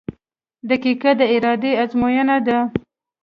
• دقیقه د ارادې ازموینه ده.